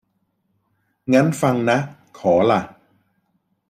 งั้นฟังนะ ขอล่ะ